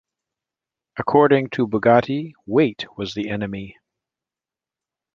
According to Bugatti, "weight was the enemy".